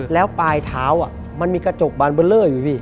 แล้วปลายเท้ามันมีกระจกบานเบอร์เลอร์อยู่พี่